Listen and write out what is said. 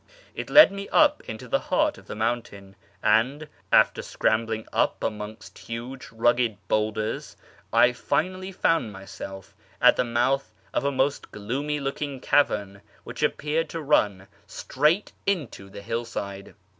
It led me up into the heart of the mountain, and, after scrambling up amongst huge rugged boulders, I finally found myself at the mouth of a most gloomy looking cavern, which appeared to run straight into the hillside.